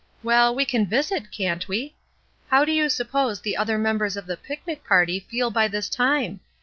Well, we can visit, can't we? How do you suppose the other members of the picnic party feel by this time?